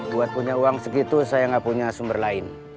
buat punya uang segitu saya nggak punya sumber lain